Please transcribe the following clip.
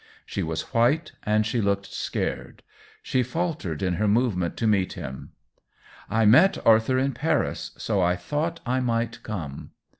She was white, and she looked scared ; she faltered in her move ment to meet him. " I met Arthur in Paris, so I thought I might come."